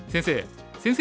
先生。